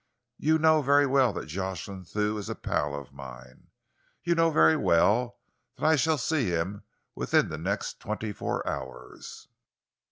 You know very well that Jocelyn Thew is a pal of mine. You know very well that I shall see him within the next twenty four hours.